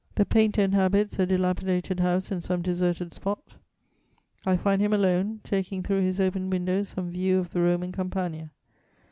The painter inhabits a dilapidated house in some deserted spot; I find him alone, taking through his open window some view of the Roman Campagna.